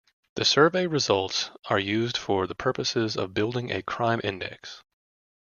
The survey results are used for the purposes of building a crime index.